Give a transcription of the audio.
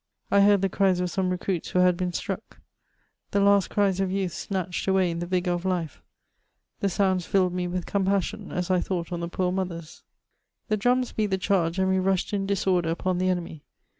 I heard the cries of some recruits who had been struck — the last cries of youth snatched away in the vigour of life ; the sounds filled me with compasaon, as I thought on the poor mothers. The drums beat the charge, and we rushed in disorder upon the enemy.